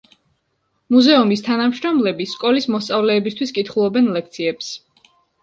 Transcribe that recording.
მუზეუმის თანამშრომლები სკოლის მოსწავლეებისთვის კითხულობენ ლექციებს.